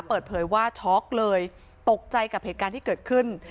เปิดเผยว่าช็อกเลยตกใจกับเหตุการณ์ที่เกิดขึ้น